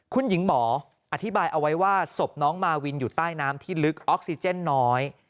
คุณหญิงหมออธิบายเอาไว้ว่าศพน้องมาวินอยู่ใต้น้ำที่ลึกออกซิเจนน้อย